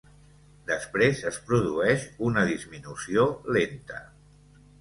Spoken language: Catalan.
Després es produeix una disminució lenta.